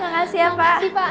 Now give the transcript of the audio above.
makasih ya pak